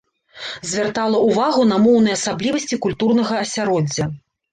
Звяртала ўвагу на моўныя асаблівасці культурнага асяроддзя.